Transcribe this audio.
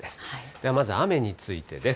ではまず雨についてです。